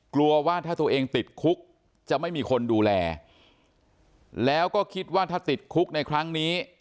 กลัวว่าถ้าตัวเองติดคุกจะไม่มีคนดูแลแล้วก็คิดว่าถ้าติดคุกในครั้งนี้